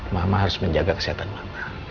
mama harus menjaga kesehatan mama